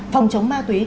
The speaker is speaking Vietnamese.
phòng chống ma túy